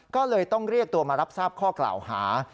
ก็เลยต้องเรียกตัวมารับทราบข้อกล่าวหา